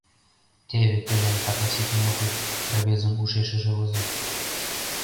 «Теве кӧлан ката ситен огыл», — рвезын ушешыже возо.